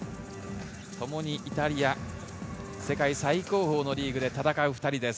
ともにイタリア、世界最高峰のリーグで戦う２人です。